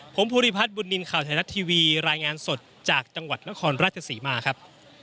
ผมภูริพัฒน์บุญนินทร์ข่าวไทยรัฐทีวีรายงานสดจากจังหวัดนครราชศรีมาครับ